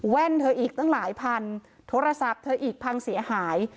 เธออีกตั้งหลายพันโทรศัพท์เธออีกพังเสียหาย